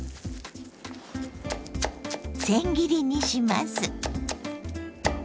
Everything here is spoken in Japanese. せん切りにします。